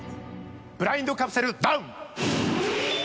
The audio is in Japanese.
ブラインドカプセルダウン！